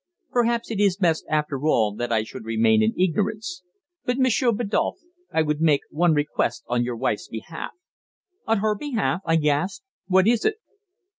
Perhaps it is best, after all, that I should remain in ignorance. But, Monsieur Biddulph, I would make one request on your wife's behalf." "On her behalf!" I gasped. "What is it?"